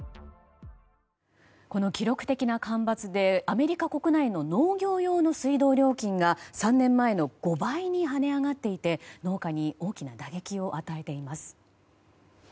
この記録的な干ばつでアメリカ国内の農業用の水道料金が３年前の５倍に跳ね上がっていて農家に大きな打撃を与えています。